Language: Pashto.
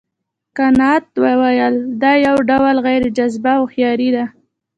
کانت وویل دا یو ډول غیر جذابه هوښیاري ده.